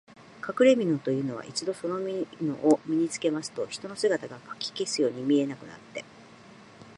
かくれみのというのは、一度そのみのを身につけますと、人の姿がかき消すように見えなくなって、